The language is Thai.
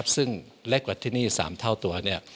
ซึ่งเล็กกว่าที่นี่๓เท่าตัว